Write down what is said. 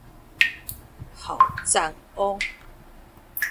好讚喔